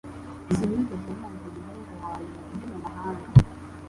Sinigeze numva umuhungu wanjye uri mu mahanga